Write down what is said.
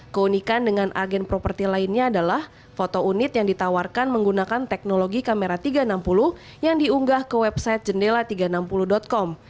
keunikan dengan agen properti lainnya adalah foto unit yang ditawarkan menggunakan teknologi kamera tiga ratus enam puluh yang diunggah ke website jendela tiga ratus enam puluh com